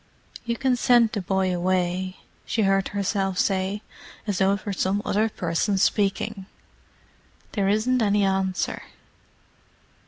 "You can send the boy away," she heard herself say, as though it were some other person speaking. "There isn't any answer.